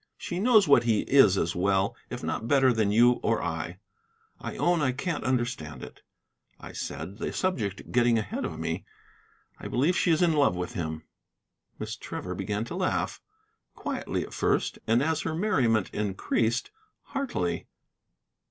"She knows what he is as well, if not better, than you or I. I own I can't understand it," I said, the subject getting ahead of me. "I believe she is in love with him." Miss Trevor began to laugh; quietly at first, and, as her merriment increased, heartily.